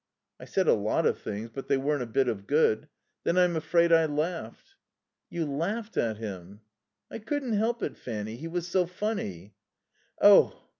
"I said a lot of things, but they weren't a bit of good. Then I'm afraid I laughed." "You laughed at him?" "I couldn't help it, Fanny. He was so funny." "Oh!"